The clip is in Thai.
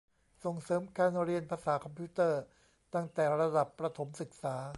ส่งเสริมการเรียน ภาษาคอมพิวเตอร์ ตั้งแต่ระดับประถมศึกษา